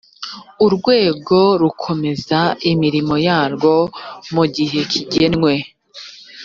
urwego rukomeza imirimo yarwo mu gihe kigenwe